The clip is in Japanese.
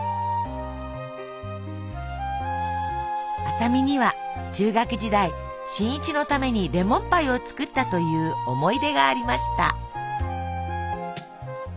麻美には中学時代新一のためにレモンパイを作ったという思い出がありました。